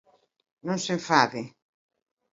Non se enfade.